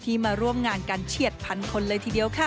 มาร่วมงานกันเฉียดพันคนเลยทีเดียวค่ะ